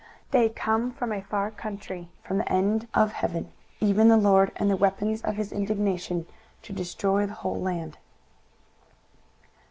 23:013:005 They come from a far country, from the end of heaven, even the LORD, and the weapons of his indignation, to destroy the whole land.